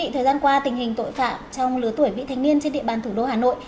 thời gian qua tình hình tội phạm trong lứa tuổi vị thanh niên trên địa bàn thủ đô hà nội